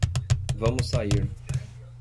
Vamos sair